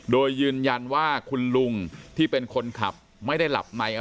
โดยยืนยันว่าคุณลุงที่เป็นคนขับไม่ได้หลับใน